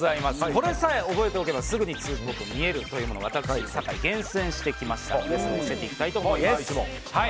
これさえ覚えておけばすぐにツウっぽく見えるという言葉を私、酒井が厳選してきましたので教えていきたいと思います。